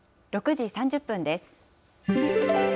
６時３０分です。